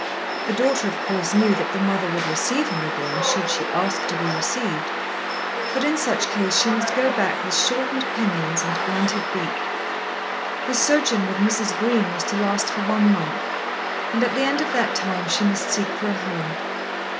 The daughter of course knew that the mother would receive her again should she ask to be received. But in such case she must go back with shortened pinions and blunted beak. Her sojourn with Mrs. Green was to last for one month, and at the end of that time she must seek for a home.